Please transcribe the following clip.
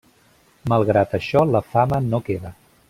Malgrat això la fama no queda.